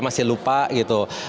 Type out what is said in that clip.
masih lupa gitu